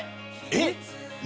えっ？